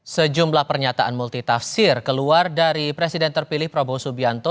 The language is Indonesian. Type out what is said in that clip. sejumlah pernyataan multitafsir keluar dari presiden terpilih prabowo subianto